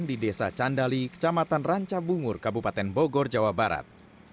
di desa candali kecamatan ranca bungur kabupaten bogor jawa barat